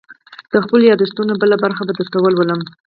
_د خپلو ياد دښتونو بله برخه به درته ولولم.